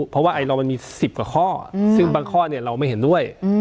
เพราะว่าไอลอร์มันมี๑๐กว่าข้อซึ่งบางข้อเราไม่เห็นด้วย